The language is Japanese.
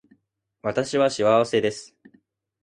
私は幸せです